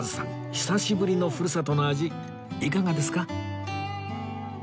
久しぶりのふるさとの味いかがですか？